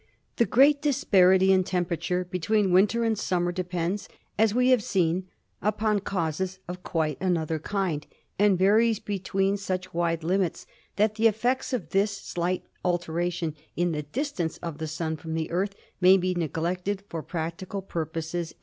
The great disparity in temperature between winter and summer de pends, as we have seen, upon causes of quite another kind, and varies between such wide limits that the effects of this slight alteration in the distance of the Sun from the Earth may be neglected for practical purposes."